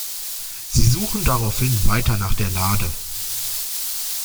Sie suchen daraufhin weiter nach der Lade.